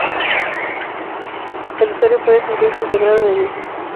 El usuario puede sentirse integrado en el mismo.